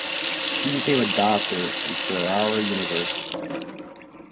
He became a doctor in Ferrara University.